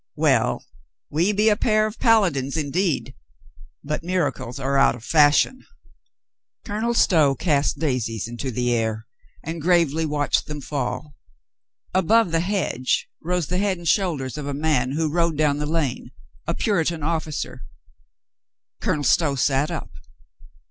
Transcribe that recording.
Well, we be a pair of paladins, indeed, but miracles are out of fashion." Colonel Stow cast daisies into the air and gravely watched them fall. Above the hedge rose the head and shoulders of a man who rode down the lane, a Puritan officer. Colonel Stow sat up.